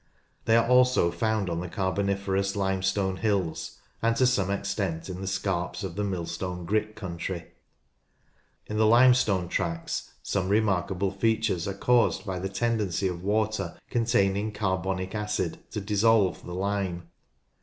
They are also found on the Carboniferous Limestone hills, and to some extent in the scarps of the Millstone Grit country. In the limestone tracts some remarkable features are caused by the tendency of water containing carbonic acid to dissolve the lime.